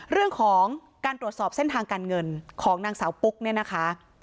เรื่องของการตรวจสอบเส้นทางการเงินของนางสาวปุ๊กเนี่ยนะคะ